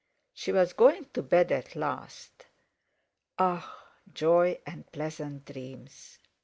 She was going to bed at last. Ah! Joy and pleasant dreams!